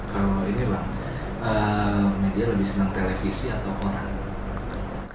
kalau ini bang media lebih senang televisi atau koran